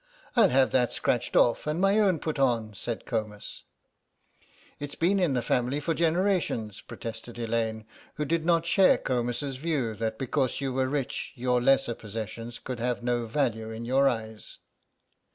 "I'll have that scratched off and my own put on," said Comus. "It's been in the family for generations," protested Elaine, who did not share Comus's view that because you were rich your lesser possessions could have no value in your eyes.